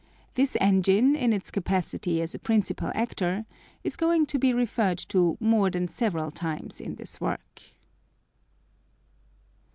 This engine in its capacity as a principal actor is going to be referred to more than several times in this work.